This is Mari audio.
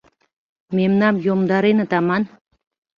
— Мемнам йомдареныт аман?